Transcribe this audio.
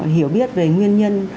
hiểu biết về nguyên nhân